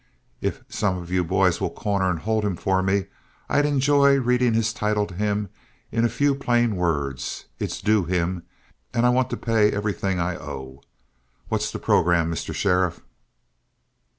If some of you boys will corner and hold him for me, I'd enjoy reading his title to him in a few plain words. It's due him, and I want to pay everything I owe. What's the programme, Mr. Sheriff?"